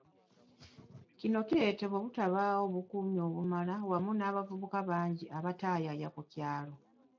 Kino kireetebwa obutabaawo bukuumi bumala wamu n'abavubuka bangi abataayaaya ku kyalo.